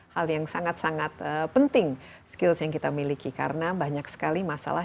hal yang sangat sangat penting skills yang kita miliki karena banyak sekali masalah